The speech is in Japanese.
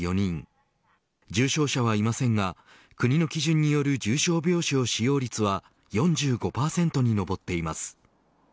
重症者はいませんが国の基準による重症病床使用率は４５％に上っています。